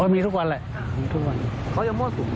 มีทุกวันเลย